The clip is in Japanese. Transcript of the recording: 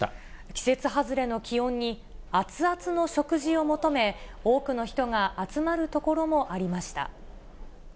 季節外れの気温に、熱々の食事を求め、多くの人が集まる所もありました。